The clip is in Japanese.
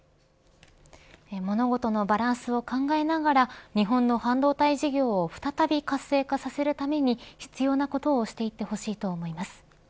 物事のバランスを考えながら日本の半導体事業を再び活性化させるために必要なことをしていってほしいと思います。